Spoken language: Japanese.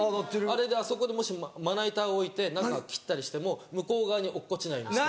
あれであそこでもしまな板を置いて何か切ったりしても向こう側に落っこちないようにして。